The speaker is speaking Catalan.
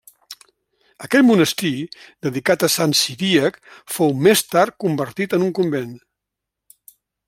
Aquest monestir, dedicat a sant Ciríac, fou més tard convertit en un convent.